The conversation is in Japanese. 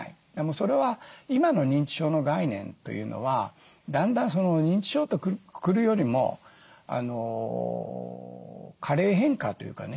それは今の認知症の概念というのはだんだん認知症とくくるよりも加齢変化というかね